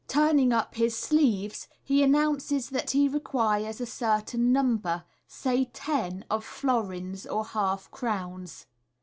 Turning up his sleeves, he announces that he requires a certain number, say ten, of florins or half crowns.